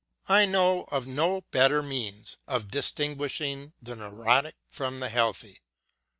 I know of no better means of dis tinguishing the neurotic from the healthy.